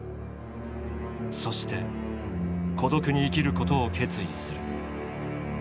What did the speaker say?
そして孤独に生きることを決意する。